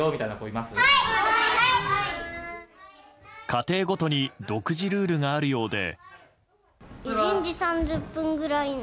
家庭ごとに独自ルールがあるようで。